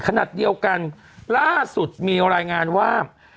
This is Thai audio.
ขนาดเดียวกันล่าสุดมีรายงานว่า